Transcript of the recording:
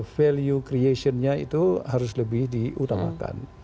value creation nya itu harus lebih diutamakan